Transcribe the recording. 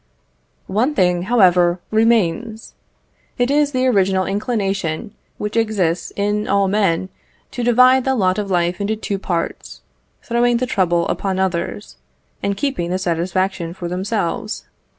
One thing, however, remains it is the original inclination which exists in all men to divide the lot of life into two parts, throwing the trouble upon others, and keeping the satisfaction for themselves.